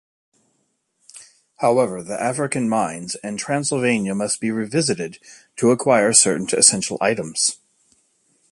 However, The African Mines and Transylvania must be revisited to acquire certain essential items.